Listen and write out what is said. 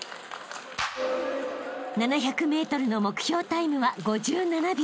［７００ｍの目標タイムは５７秒］